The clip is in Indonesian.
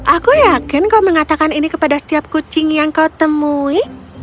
aku yakin kau mengatakan ini kepada setiap kucing yang kau temui